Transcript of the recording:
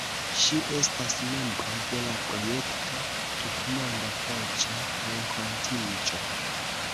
Ŝi estas membro de la projekto "Tutmonda Voĉa Renkontiĝo".